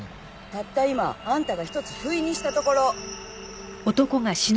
たった今あんたが１つふいにしたところ！